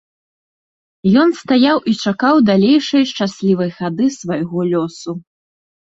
Ён стаяў і чакаў далейшай шчаслівай хады свайго лёсу.